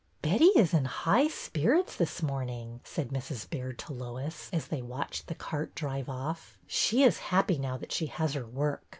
Betty is in high spirits this morning," said Mrs. Baird to Lois, as they watched the cart drive off. She is happy now that she has her work.